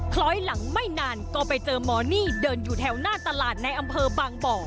คล้อยหลังไม่นานก็ไปเจอหมอนี่เดินอยู่แถวหน้าตลาดในอำเภอบางบ่อ